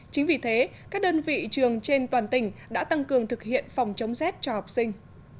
chính vì thế các đơn vị trường trên toàn tỉnh đã tăng cường thực hiện phòng chống rét cho học sinh